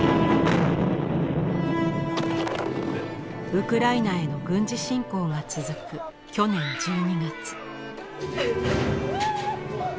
ウクライナへの軍事侵攻が続く去年１２月。